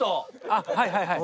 あっはいはいはい。